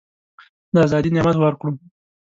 د آزادی نعمت ورکړو.